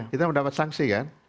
kita mendapat sanksi kan